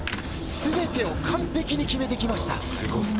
すべてを完璧に決めてきました。